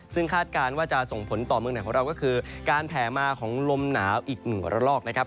ซึ่งคาดการณ์ว่าจะส่งผลต่อเมืองไหนของเราก็คือการแผ่มาของลมหนาวอีกหนึ่งระลอกนะครับ